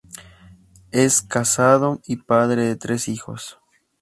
Es casado, y padre de tres hijos.